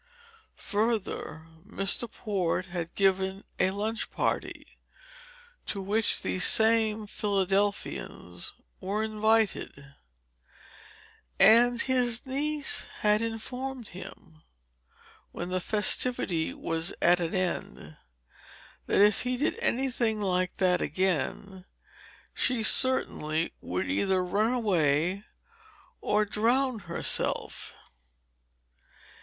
Further, Mr. Port had given a lunch party to which these same Philadelphians were invited; and his niece had informed him, when the festivity was at an end, that if he did anything like that again she certainly would either run away or drown herself.